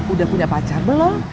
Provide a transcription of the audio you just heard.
udah punya pacar belum